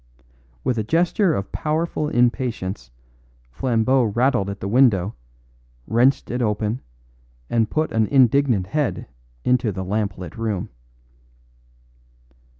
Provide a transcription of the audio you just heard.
With a gesture of powerful impatience, Flambeau rattled at the window, wrenched it open, and put an indignant head into the lamp lit room.